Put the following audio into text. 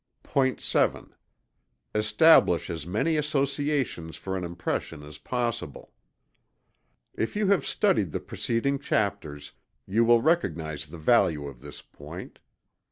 POINT VII. Establish as many associations for an impression, as possible. If you have studied the preceding chapters, you will recognize the value of this point.